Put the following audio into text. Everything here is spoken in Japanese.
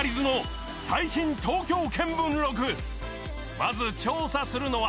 まず調査するのは